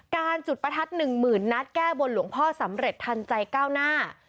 การจุดประทัด๑๐๐๐นัดแก้บนหลวงพ่อสำเร็จทันใจก้าวหน้า